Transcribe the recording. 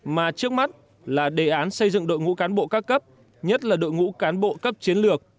mà trước mắt là đề án xây dựng đội ngũ cán bộ các cấp nhất là đội ngũ cán bộ cấp chiến lược